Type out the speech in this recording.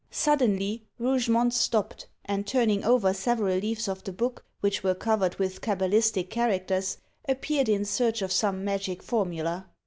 Suddenly, Rougemont stopped, and turning over several leaves of the book, which were covered with cabalistic characters, appeared in search of some magic formula.